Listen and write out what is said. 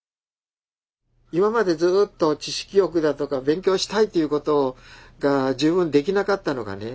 今までずっと知識欲だとか勉強したいということが十分できなかったのがね